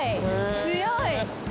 強い！